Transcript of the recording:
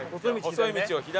細い道を左。